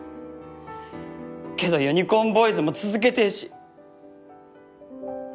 けどユニコーンボーイズも続けてえし。